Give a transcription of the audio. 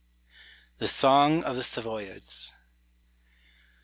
THE SONG OF THE SAVOYARDS.